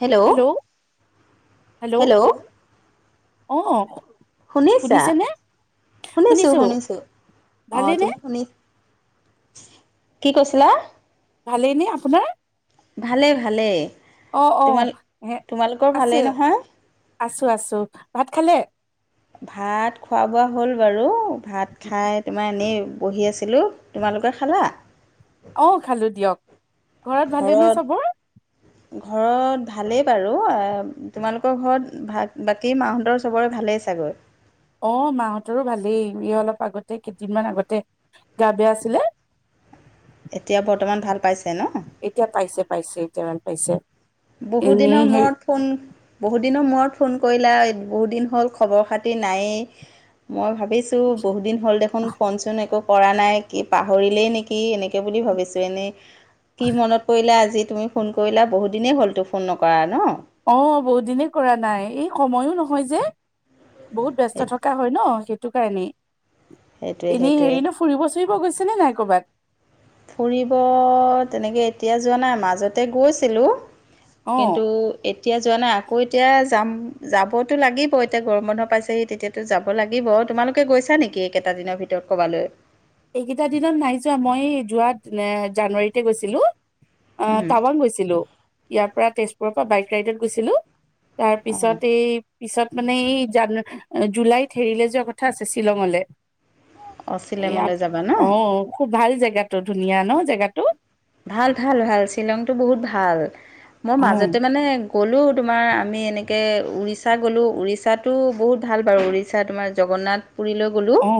Hello hello আহ শুনিছেনে? শুনিছোঁ শুনিছো শুনিছোঁ, অ' ভালেই নে তুমি শুনিছ কি কৈছিলা? ভালেই নে আপোনাৰ? ভালে ভালে। অ' অ' আছে, ভালেই নহয়? আছো আছো। ভাত খালে? ভাত খোৱা বোৱা হ'ল বাৰু। ভাত খাই তোমাৰ এনেই বহি আছিলোঁ। তোমালোকে খালা? অ' খালো দিয়ক। ঘৰত ভালেইনে চবৰ? ঘৰত ভালেই বাৰু। তোমালোকৰ ঘৰত, ভ বাকী মাহঁতৰ চবৰে ভালেই চাগে? আাগৰ অ' মাহঁতৰো ভালেই। এই অলপ আগতে, কেইদিনমান আগতে, গা বেয়া আছিলে। এতিয়া বৰ্তমান ভাল পাইছে ন? এতিয়া পাইছে পাইছে এতিয়া ভাল পাইছে। বহুত এনেই দিনৰ হেৰি মূৰত ফোন বহুত দিনৰ মূৰত ফোন কৰিলা বহুত দিন হ'ল খবৰ খাতি নায়েই, মই ভাবো ভাবিছোঁ বহুতদিন হ'ল দেখোন ফোননচোন একো পৰা নাই কি পাহৰিলেই নেকি এনেকৈ বুলি ভাবিছোঁ এনেই কি মনত পৰিলে আজিত তুমি ফোন কৰিলা, বহুত দিনেই হ'লতো ফোন নকৰা ন। অ' বহুত দিনে কৰা নাই, এই সময়ো নহয় যে। বহুত ব্যস্ত সেই- থকা হয় ন, সেইটো কাৰণেই সেইটোৱে এনে হেৰি সেইটোৱে ন ফুৰিব ফুৰিব গৈছেনে নাই কৰ'বাত? ফুৰিব তেনেকে, এতিয়া যোৱা নাই, মাজতে গৈছিলোঁ। অ কিন্তু এতিয়া যোৱা নাই। আকৌ এতিয়া যাম, যাবতো লাগিব এতিয়া। গৰম বন্ধ পাইছেহি, তেতিয়াতো যাব লাগিব। তোমালোকে গৈছা? [inaudible] চা নেকি কেইটা দিনৰ ভিতৰত কবালৈ? এইকেইটা দিনত নাই যোৱা। মই যোৱা জানুৱাৰীতে গৈছিলোঁ। অ', উম, টাৱাং গৈছিলোঁ। ইয়াৰ পৰা, তেজপুৰৰ পৰা বাইক ৰাইডত গৈছিলোঁ। তাৰ অঁ পিছত, এই পিছত মানে এই জানু জুলাইত হেৰিলে যোৱা কথা আছে, শ্বিলঙলে। অ', শ্বিলংলে অঁ খুব ভাল জেগাটো, ধুনীয়া ন জেগাটো? ভাল, ভাল, ভাল। শ্বিলংতটো বহুত ভাল, মও অ মাজতে মানে, গ'লোঁ তোমাৰ। আমি এনেকৈ উৰিষ্যা গ'লোঁ। উৰিষ্যাটো বহুত ভাল, বাৰু। উৰিষ্যা তোমাৰ জগন্নাথ। পুৰিলৈ গ'লো, অ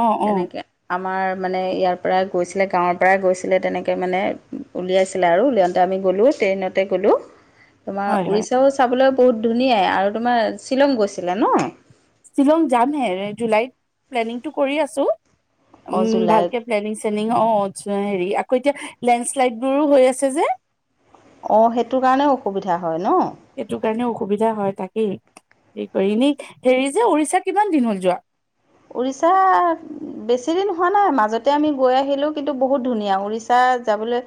অ অ তেনেকে আমাৰ মানে, ইয়াৰ পৰা গৈছিলে, গাঁৱৰ পৰাই গৈছিলে, তেনেকে। মানে উলিয়াইছিলে আৰু উলিয়াওঁতে আমি গ'লোঁ, ট্ৰেইনতে গ'লোঁ। তোমাৰ হয় হয় উৰিষ্যাও চাবলৈ বহুত ধুনীয়াই আৰু তোমাৰ শ্বিলং গৈছিলা ন। শ্বিলং যামহে, জুলাইত প্লেনিংটো কৰি আছোঁ। অঁ উম, জুলাইত ভালকে প্লেনিং শ্লেনিং, অঁ ইচ্ছা হেৰি অ' এতিয়া লেনশ্লাইড বোৰো হৈ আছে যে। অ', সেইটোৰ কাৰণে অসুবিধা। হয় ন সেইটো কাৰণে অসুবিধা হয়, তাকেই। সেই কৰি, এনেই হেৰি যে উৰিষ্যাত কিমান দিন হ'ল যোৱা? উৰিষ্যা ও বেছি দিন হোৱা নাই। মাজতে আমি গৈ আহিলোঁ, কিন্তু বহুত ধুনীয়া। উৰিষ্যা যাবলে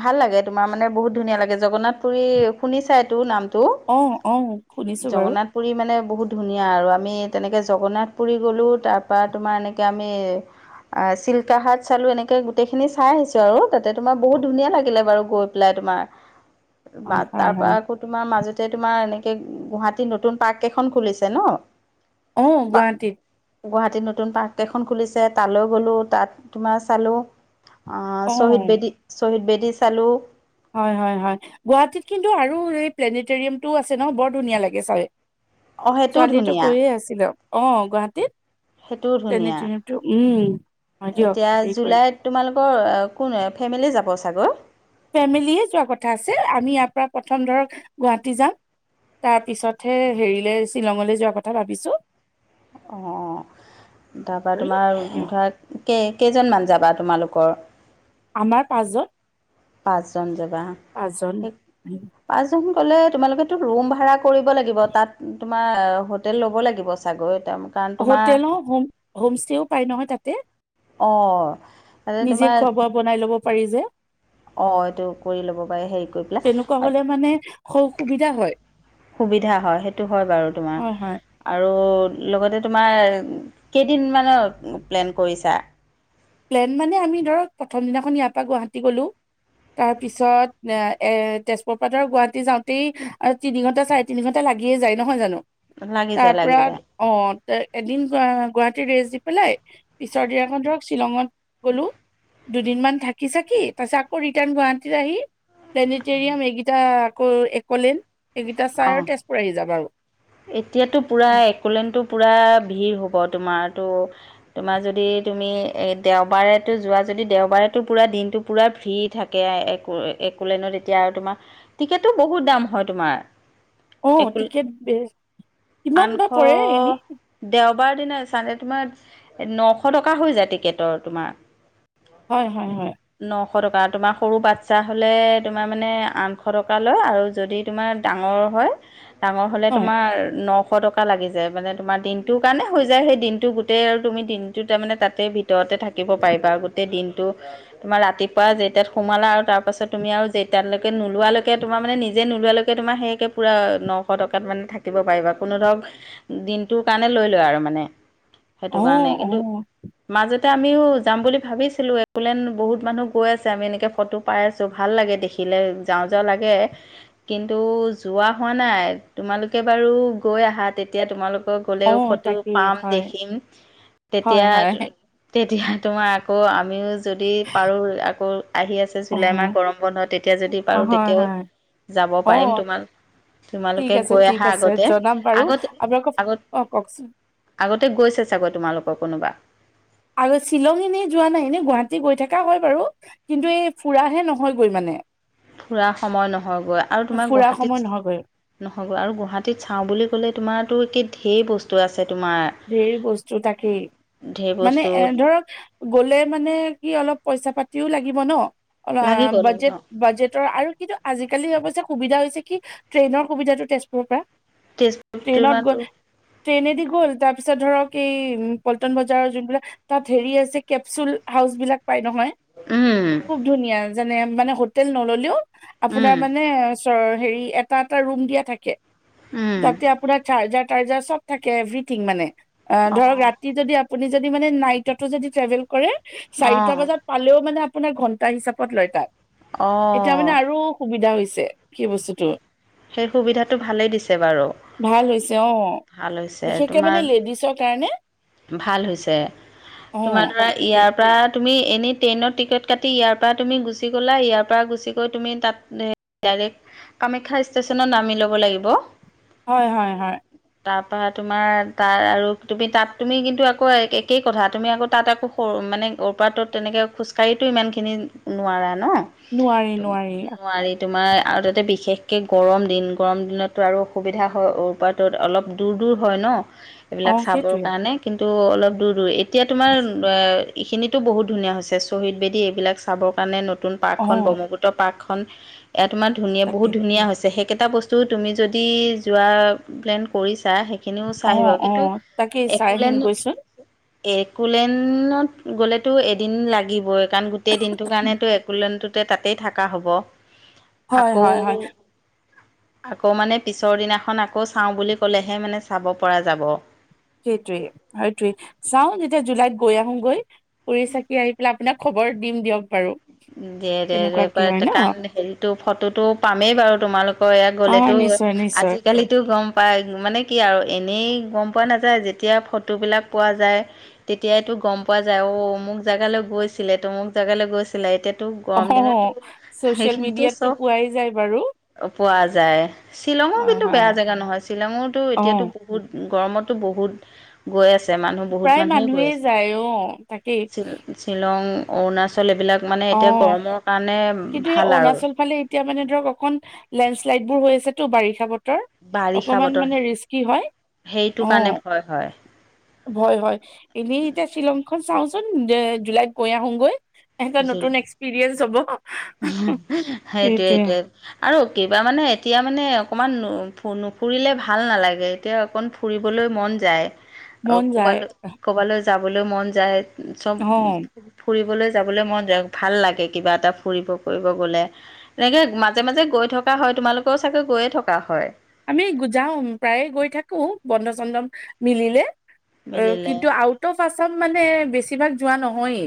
ভাল লাগে। এ তোমাৰ মানে বহুত ধুনীয়া লাগে, জগন্নাথ পুৰী শুনিছাইতো নাম টো অ অ শুনিছো বাৰু জগন্নাথ পুুৰী মানে বহুত ধুনীয়া আৰু আ আমি তেনেকে জগন্নাথ পুৰী গ'লো, তাৰপৰা তোমাৰ এনেকে আমি আ, চিল্কা হাট চালোঁ, এনেকে গোটেইখিনি চাই আহিছোঁ, আৰু তাতে তোমাৰ বহুত ধুনীয়া লাগিলে বাৰু, গৈ পেলাই। তোমাৰ বা হয় হয় তাৰ পৰা হয় আকৌ তোমাৰ মাজতে তোমাৰ এনেক কে গুহাটী নতুন পাৰ্ক কেইখন খুলিছে ন। অ', পা গুৱাহাটীত। গুৱাহাটীত নতুন পাৰ্ককেইখন খুলিছে, তালৈ গ'লোঁ। তাত তোমাৰ চালোঁ অ অ', শ্বহীদ বেদী, শ্বহীদ বেদী চালোঁ। হয় হয় হয় গুৱাহাটীত কিন্তু আৰু এই প্লেনেটৰিয়ামটোও আছে ন বৰ ধুনীয়া লাগে চাই। অঁ সেইটোও ছোৱালীয়েটো ধুনীয়া কৈয়ে আছিলে। অ' গুৱাহাটীত সেইটোও ধুনীয়া প্লেনেটোৰিয়ামটো উম। হয় দিয়ক এতিয়া হেৰি কৰি জুলাইত তোমালোকৰ কোন ফেমিলি যাব চাগৈ? ফেমিলিয়ে যোৱা কথা আছে, আমি ইয়াৰ পৰা প্ৰথম ধৰক গুৱাহাটী যাম। তাৰ পিছতহে হেৰিলে শ্বিলঙলৈ যোৱা কথা ভাবিছোঁ। অ', তাৰপৰা তোমাৰ ধৰা কেক কেইজনমান যাবা তোমালোকৰ? আমাৰ পাঁচজন। পাঁচজন যাবা, পাঁচজন পাঁচজন হলেও তোমালোকেতো ৰুম ভাড়া কৰিব লাগিব। তাত তোমাৰ হোটেল ল'ব লাগিব চাগৈ। কাৰণ তোমাৰ হোটেলো, হোম-হোম ষ্টেও পায় নহয় তাতে। অঁ তাতে নিজে খোৱা বোৱা বনাই ল'ব পাৰি যে। অ', এইটো কৰি ল'ব পাৰে হেৰি কৰি তেনেকুৱা হ'লে মানে পেলাই। সুবিধা হয় সুবিধা হয়, সেইটো হয় বাৰু তোমাৰ হয় হয় আৰু, লগতে তোমাৰ কেইদিনমানৰ প্লেন কৰিছা? প্লেন মানে আমি ধৰক প্ৰথম দিনাখন ইয়াৰ পৰা গুৱাহাটী গ'লোঁ। তাৰ পিছত এ এ তেজপুৰ পৰা ধৰ গুৱাহাটী যাওঁতেই আৰু তিনি ঘন্টা চাৰে তিনি ঘন্টা লা লাগিয়ে যায় নহয় জানো লাগি তাৰ যায় লাগি পৰা যায় অ' এদিন গুৱাহাটী থাকি ৰেষ্ট দি পেলাই পিছৰ দিনাখন ধৰক শ্বিলঙত গলো। দুদিনমান থাকি ছাকি কি তাৰপিছত আকৌ ৰিটাৰ্ণ গুৱাহাটী আহি প্লোনটেৰিয়াম এইকেইটা আকৌ একলেন্ড অ' এতিয়াতো পুৰা একলেন্ডটো পুৰা ভিৰ হ'ব তোমাৰতো, তোমাৰ যদি তুমি দেওবাৰেতো জোৱা যদি দেওবাৰেতো পূৰা দিনটো পুৰা ভিৰ থাকে একোলেন্ড এতিয়া আৰু তেতিয়া টো বহুত দাম হয় তোমাৰ অ একো টিকেট কিমান বা আনশ পৰে এনেই দেও বাৰ দিনা চানে তোমাৰ নশ টকা হৈ যায় টিকেটৰ তোমাৰ। হয় হয় হয়। এশ টকা তোমাৰ সৰু বাচ্ছা হ'লে তোমাৰ মানে আঠশ টকা লয় আৰু যদি তোমাৰ ডাঙৰ হয়, ডাঙৰ হ'লে হয় তোমাৰ ন শ টকা লাগি যায় মানে তোমাৰ দিনটোৰ কাৰণে হৈ যায় সেই দিনটো গোটেই আৰু তুমি দিনটো তাৰমানে তাতে ভিত ভিতৰতে থাকিব পাৰিবা গোটেই দিন তোমাৰ ৰাতিপুৱাে যেইটাত সোমালা আৰু তাৰপাছত তুমি আৰু নোলোৱাকৈ তোমাৰ মানে নিজ [unintelligible] ওলালে তোমাৰ সেয়ে পুৰা নশ টকাত মানে থাকিব পাৰিবা, কোনো ধৰক দিনটোৰ কাৰণে লৈ ল আৰু। মানে সেইটো অ কাৰণে অ কিন্তু মজ আমিও যাম বুলি ভাবিছিলো, একোলেন্ড বহুত মানুহ গৈ আছে আমি এনেকে ফটো পাই আছো, ভাল লাগে দেখি। দেখিলে যাওঁ যাওঁ লাগে। কিন্তু যোৱা হোৱা নাই তোমালোকে বাৰু গৈ আহা তেতিয়া তোমালোক অ গলেও ফটো তাকেই পাম হয় দেখিম হয় তেতিয়া হয় তেতিয়া তোমাৰ আকৌ আমিও যদি পাৰোঁ আকৌ আহি আছে অ জুলাই মাহ গৰম বন্ধ তেতিয়া যদি অ পাৰো হয় তেতিয়াও হয় যাব অ পাৰিম তোমালে ঠিক তোমালোকে আছে গৈ ঠিক অহা আছে আগতে জনাম বাৰু আগতে আপোনালোকক আগত অ কওকচোন আগতে গৈছে চাগৈ তোমালোকৰ কোনোবা আৰু শ্বিলং এনেই যোৱা নাই এনে গুৱাহাটী গৈ থকা হয় বাৰু কিন্তু এই ফুৰাহে নহয়গৈ মানে। ফুৰা সময় নহয়গৈ আৰু তোমাৰ ফুৰা সময় নহয়গৈ গুৱাহাটীত নহ'বো আৰু গুৱাহাটীত চাওঁ বুলি ক'লে তোমাৰতো কি ঢেৰ বস্তু আছে। তোমাৰ ধেৰ বস্তু থাকে ঢেৰ মানে বস্তু এ ধৰক গলে মানে কি অলপ পইচা পাতি ও লাগিব ন অ লাগিব লাগিব বাজেট বাজেটৰ আৰু কিন্তু আজিকালি অৱশ্যে সুবিধা হৈছে কি ট্ৰেইনৰ সুবিধাটো তেজপুৰৰ পৰা তেজপুৰ ট্ৰেইন তোমাৰতো গ'লে ট্ৰেইনেদি গ'ল তাৰ পিছত ধৰক এই উম পল্টন বজাৰৰ যোনবিলাক তাত হেৰি আছে কেপচুল হাউচ বিলাক। নহয় উম খুব ধুনীয়া যে মান হোটেল নললেও আপোনাৰ উম মানে। ওচৰৰ হেৰি এটা এটা ৰুম দিয়া থাকে উম তাতে আপোনাৰ যাৰ যাৰ। চাৰ্জৰ থাকে এভৰিৰ্থিং মানে ধৰ অঁ ৰাতি যদি। আপোনি যদি নাইট যদি ট্ৰেভেল কৰে চাৰিটা অঁ বজাত পালেও মানে আপোনাৰ ঘন্টা হিচাপত লয় যায় এতিয়া অঁ মানে আৰু সুবিধা হৈছে সেই বস্তুটো। সেই সুবিধাটো ভালেই দিছে বাৰু ভাল হৈছে অ' ভাল হৈছে বিশেষকে মানে তোমাৰ। লেডিছৰ কাৰণে ভাল হৈছে তোমাৰ অ' ধৰা তাকে ইয়াৰ পৰা। তুমি এনেই ট্ৰেইনৰ টিকেট কাটি ইয়াৰ পৰা তুমি গুচি গ'লা ইয়াৰ পৰা গুচি গৈ তুমি তাত দাইৰেক কামাখ্যা ষ্টেছনত নামি ল'ব লাগিব হয়- হয় -হয় তাৰ তোমাৰ তাৰ আৰু তুমি তাত। তুমি কিন্তু আকৌ একেই কথা তুমি আকৌ তাত আকৌ সৰু মানে ওৰপৰাটোত তেনেকৈ খোজকাঢ়িো ইমানখিনি। নোৱাৰা ন নোৱাৰি নোৱাৰি নোৱাৰি তোমাৰ। আৰু তাতে বিশেষকৈ গৰম দিন গৰম দিনততো আৰু অসুবিধা হয়পতো অলপ দূৰ দূৰ হয় ন। অ এইবিলাক 'সেইটোৱে [inaudible] চাবৰ কাৰণে নতুন পাৰ্কখন অ' ব্ৰহ্মপুত্ৰ পাৰ্কখন ইাত তোমাৰ ধুনীয়া তাকে বহুত ধুনীয়া হৈছে সেই। কেইটা বস্তু তুমি যদি যোৱা প্লেন কৰিছা। সেইখিনিও চাই আহিবা অ- অ কিন্তু তাকেই চাই আহিম কৈচোন একলেনত গ'লেতো এদিন লাগিবই কাৰণ গোটেই দিনটোৰ কাৰণো একনতে তাতেই থাকা হ'ব। হয় আকৌ -হয় -হয় আকৌ মানে পিছৰ দিনাখন আকৌ চাওঁ বুলি ক'লেহে মানে চাব পৰা যাব। সেইটোৱে সটোোৱেই চাও যেতিয়া জুলাইত গৈ আহো গৈ কৰিুৰি চাকি আহি পেলাই। আপোনাক খবৰ দিম দিয়ক বাৰু। দে -দে- কেনেকুৱা কি হয় দে ন কাৰণ হেৰিতটো ফটোতটো পামেই বাৰু তোমালোকৰ ইয়াত অ গ'লেতো নিশ্চয় নিশ্চয় আজিকালিতো গম পাই মানে কি আৰু। এনেই গম পোৱা নাযায় যেতিয়া ফটোবিলাক পোৱা যায় তেতিয়াইতো গম পোৱা যায় আৰু। মোক জেগালৈ গৈছিলে তো মোক জেগালৈ গৈছিল। টো অ গৰম দিনতো চচিয়েল সেইখিনিতো মিডিয়াতটো চব। পোৱাই যায় বাৰু পোৱা যায় শ্বিলঙো হয় কিন্তু হয় বেয়া জেগা নহয় শ্বিলঙৰতো অ এতিয়াতো বহুত। গৰমতো বহুত গৈ আছে মানুহ বহুত প্ৰায় মানুহে গৈ মানুহেই আছে যায় অ তাকেই শ্বিলং অৰুণাচল এইবিলাক। মানে অ এতিয়া গৰমৰ কাৰণে কিন্তু এই ভাল আৰু। অৰুণাচল ফালে এতিয়া মানে ধৰক অকন লেণ্ডশ্লাইড বোৰ হৈ আছে তো বাৰিষা বতৰ অক বাৰিষা বতৰ মানে ৰিস্কি হয় সেইটো অ কাৰণে ভয় হয় ' ভয় হয় এনেই এতিয়া শ্ৰীলংকা খন চাওচোন, জুলাইত গৈ আহোগৈ এটা নতুন এক্সপিৰিয়েন্ঞ্চ হ'ব। সেইটোৱে সেইটোৱেইটো আৰু কিবা মানে এতিয়া মানে অকণমান নুফুৰিলে ভাল নালাগে, এতিয়া অকণ ফুৰিবলৈ মন যায়, মন যায় কবালৈ কবালৈ যাবলৈ মন যায়, চব অ ফুৰিবলৈ যাবলৈ মন যায়, ভাল লাগে কিবা এটা। ফুৰিব ফুৰিব গ'লে, এনেকৈ মাজে মাজে গৈ থকা হয়, তোমালোকৰও চাগৈ গৈয়ে থকা হয়? আমি যাও প্ৰায়ে গৈ থাকো বন্ধ চন্ধ মিলিলে। অ' মিলিলে কিন্তু আউট অফ আছাম মানে বেছিভাগ যোৱা নহয়েই।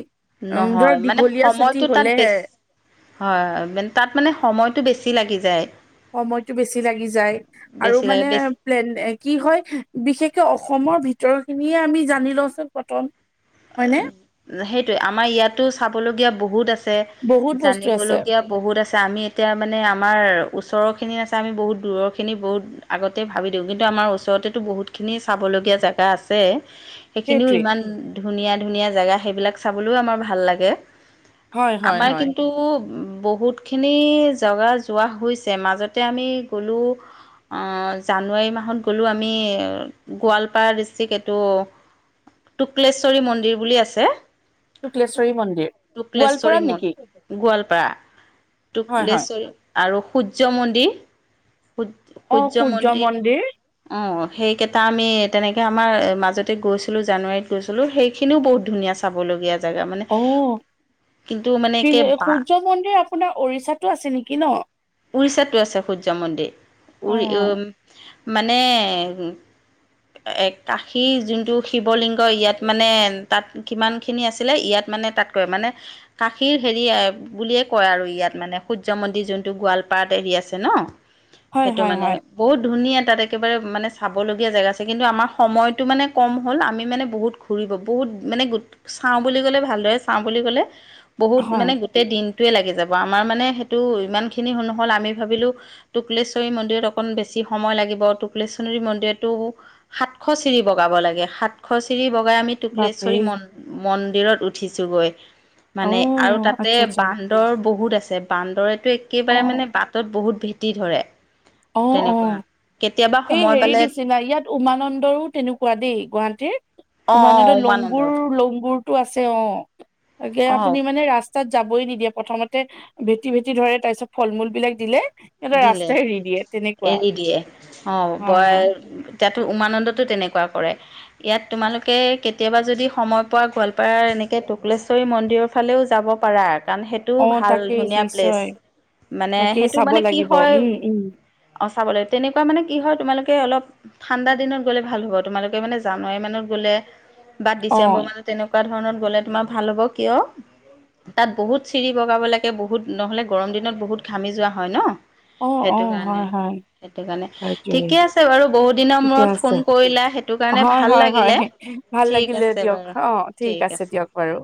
উম ধৰ নহয় মানে দীঘলীয়া ছুটি সময়টো তাত হলেহে বেছি, হয় হয় তাত মানে সময়তটো বেছি [unintelligible] লাগি যায়। সময়টো বেছি লাগি যায়, আৰু বেছি লাগে মানে বেছি প্লেন কি হয়, বিশেষকে অ' অসমৰ ভিতৰ খিনিয়ে আমি জানি লওঁচোন প্ৰথম। হয়নে সেইটোয়ে আমাৰ ইয়াতো চাবলগীয়া বহুত আছে, বহুত বস্তু আছে জানিবলগীয়া বহুত আছে আমি এতিয়া মানে আমাৰ ওচৰৰখিনি আছে আমি বহুত দূৰৰখিনি বহুত আগতে ভাব দিওঁ কিন্তু আমাৰ ওচৰতেতো বহুতখিনি চাব লগীয়া জেগা আছে সেইখিনিও সেইটোৱে ইমান ধুনীয়া ধুনীয়া জেগা সেইবিলাক চাবলৈও আমাৰ ভাল লাগে। হয় হয় আমাৰ হয় কিন্তু বহুতখিনি জেগা যোৱা হৈছে মাজতে আমি গ'লোঁ অ'। জানুৱাৰী মাহত গ'লোঁ আমি গোৱালপাৰা ডিষ্ট্ৰিক্ এইটো [inaudible] [unintelligible] মন্দিৰ বুলি আছে, শুক্লেশ্বৰী মন্দিৰ টোক্লেশ্বৰী গোৱালপাৰাত নেকি মন্দিৰ গোৱালপাৰা। অ' হয় হয় টোক্লেশ্বৰী আৰু সূৰ্য মন্দিৰ সূ সূৰ্য মন্দিৰ অ' সেইকেইটা আমি তেনেকৈ আমাৰ মাজতে গৈছিলোঁ জানুৱাৰীত। গৈছিলো সেইখিনিও বহুত ধুনীয়া চাবলগীয়া জেগা মানে। অ কিন্তু মানে একে বা সূৰ্য মন্দিৰ আপোনাৰ উৰিষ্যাটো আছে নেকি ন? উৰিষ্যাতো আছে সূৰ্য মন্দিৰ হয় উৰি হয়। মানে কাশীৰ যোনটো শিৱলিংগ কয় ইয়াত মানে তাত কিমানখিনি আছিলে ইয়াত মানে তাতকৈ মানে কাশীৰ হেৰি বুলিয়ে কয় আৰু ইয়াত মানে সূৰ্য মন্দিৰ যোনটো গোৱালপাৰ এৰি আছে ন হয় সেইটো হয় মানে হয় বহুত ধুনীয়া। তাত একেবাৰে মানে চাবলগীয়া জেগা আছে কিন্তু আমাৰ সময়তটো মানে কম হ'ল আমি মানে বহুত ঘূৰিব বহুত মানে চাওঁ বুলি ক'লে ভালদৰে চাওঁ বুলি ক'লে বহুত হয় মানে গোটেই দিন টোৱে লাগি যাব আমাৰ মানে সেইটো ইমানখিনি নহ'ল আমি ভাবিলোঁ টুকুলশ্বৰী মন্দিৰত অকণ বেছি সময় লাগিব তকশ্বৰী মন্দিৰতো সাতশ চিৰি বগাব লাগে সাত সাতশ চিৰি বগাই আমি বাপৰে টক্শ্বৰী মন মন্দিৰত উঠিছোঁগৈ। অ মানে আৰু তাতে আচ্ছা আচ্ছা বান্দৰ বহুত আছে বান্দৰে অ একেবাৰে মানে বাটত বহুত ভেটি ধৰে অ অ তেনেকুৱা। কেতিয়াবা এই সময় হেৰি পালে নিচিনা ইয়াত উমানন্দৰো তেনেকুৱা দেই গুৱাহাটীৰ। অ অ উমানন্দত উমানন্দ লংগুৰ, লংগুৰটো আছে অ', তাকে অ আপুনি মানে ৰাস্ত স্তাত যাবই নিদিয়ে, প্ৰথমতে ভেটি-ভেটি ধৰে, তাৰ পিছত ফল-মূলবিলাক দিলে সিহঁতে দিলে ৰাস্তাই এৰি দিয়ে, তেনেকুৱা এৰি দিয়ে অ', হয় বই হয় এতিয়াতো উমানন্দতো তেনেকুৱা কৰে। ইয়াত তোমালোকে, কেতিয়াবা যদি সময় পোৱা, গোৱালপাৰাৰ এনেকে টুকুলেশ্বৰী মন্দিৰৰ ফালেও যাব পাৰা কাৰণ সেইটোও অ ভাল, তাকেই ধুনীয়া প্লেচ, নিশ্চয় মানে তাকেই সেইটো চাব মানে কি লাগিব হয় উম, উম। অ চাব লে তেনেকুৱা মানে কি হয় তোমালোকে অলপ ঠাণ্ডা দিনত গলে ভাল হব তোমালোকে মানে জানুৱাৰী মানত গ অ ডিচেম্বৰ মানত তেনেকুৱা ধৰণ গ'লে তোমাৰ ভাল হ'ব কিয় তাত বহুত চিৰি বগাব লাগে বহুত নহ'লে গৰম দিনত বহুত ঘামি যোৱা হয় ন অ অ সেইটো কাৰণে হয় হয় সেইটো কাৰণে সেইটোৱে ঠিকে আছে বাৰু বহুত দিনৰ ঠিকে মূৰত আছে ফোন কৰিলা সেইটো কাৰণে হয় ভাল হয় হয় লাগিলে ভাল ঠিক লাগিলে আছে দিয়ক বাৰু অ ঠিক আছে দিয়ক বাৰু